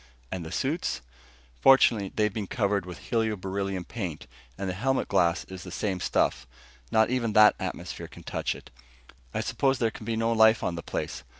"And the suits?" "Fortunately, they've been covered with helio beryllium paint, and the helmet glass is the same stuff. Not even that atmosphere can touch it. I suppose there can be no life on the place.